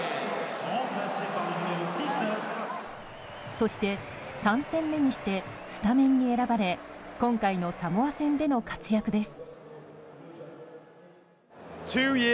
そして３戦目にしてスタメンに選ばれ今回のサモア戦での活躍です。